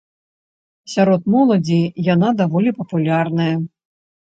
Сярод моладзі яна даволі папулярная.